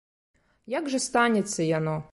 Як жа станецца яно?